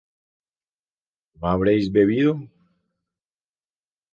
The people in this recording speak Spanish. ¿no habréis bebido?